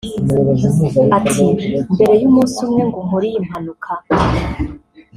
Ati “Mbere y’umunsi umwe ngo nkore iyi mpanuka